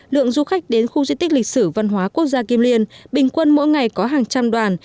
lượng du khách đến khu di tích lịch sử văn hóa quốc gia kim liên bình quân mỗi ngày có hàng trăm đoàn